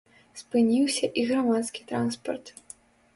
Спыніўся і грамадскі транспарт.